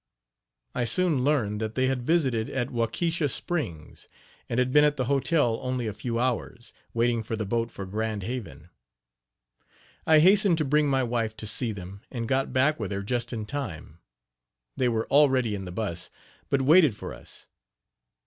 " I soon learned that they had visited at Waukesha springs, and had been at the hotel only a few hours, waiting for the boat for Grand Haven. I hastened to bring my wife to see them and got back with her just in time. They were already in the bus, but waited for us.